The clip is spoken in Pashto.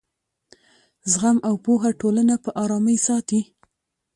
زغم او پوهه ټولنه په ارامۍ ساتي.